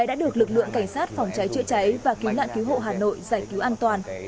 đã được lực lượng cảnh sát phòng cháy chữa cháy và cứu nạn cứu hộ hà nội giải cứu an toàn